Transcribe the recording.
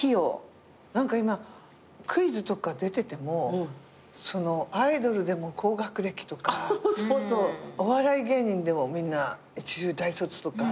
何か今クイズとか出ててもアイドルでも高学歴とかお笑い芸人でもみんな一流大卒とか。